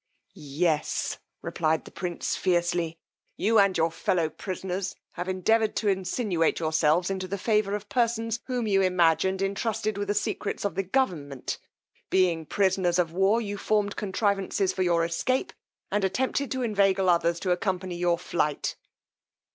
Yes, replied the prince feircely, you and your fellow prisoners have endeavoured to insinuate yourselves into the favour of persons whom you imagined entrusted with the secrets of the government: being prisoners of war, you formed contrivances for your escape, and attempted to inveigle others to accompany your flight.